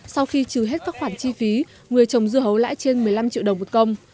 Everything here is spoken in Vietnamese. sau khi trừ hết các khoản chi phí người trồng dưa hấu lãi trên một mươi năm triệu đồng một công